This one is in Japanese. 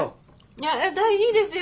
いやいいですよ。